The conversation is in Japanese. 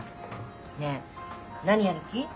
ねえ何やる気？